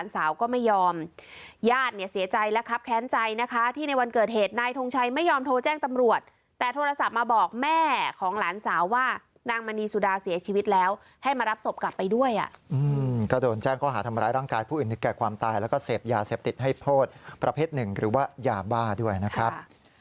สาวว่านางมณีสุดาเสียชีวิตแล้วให้มารับศพกลับไปด้วยอ่ะอืมก็โดนแจ้งข้อหาทำร้ายร่างกายผู้อื่นในแก่ความตายแล้วก็เสพยาเสพติดให้โพธิ์ประเภทหนึ่งหรือว่ายาบ้าด้วยนะครับ